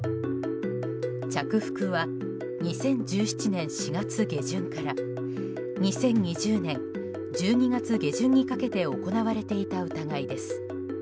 着服は２０１７年４月下旬から２０２０年１２月下旬にかけて行われていた疑いです。